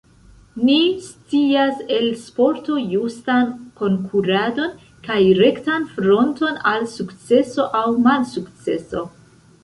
Ni scias el sporto justan konkuradon kaj rektan fronton al sukceso aŭ malsukceso.